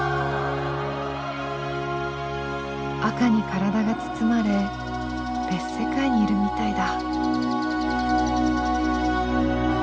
赤に体が包まれ別世界にいるみたいだ。